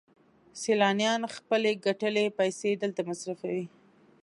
سیلانیان خپلې ګټلې پیسې دلته مصرفوي